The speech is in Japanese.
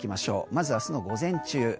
まず明日の午前中